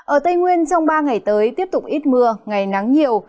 ở tây nguyên trong ba ngày tới tiếp tục ít mưa ngày nắng nhiều